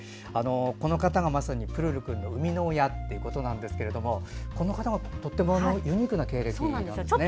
この方がまさにプルルくんの生みの親ということですがこの方が、とってもユニークな経歴なんですよね。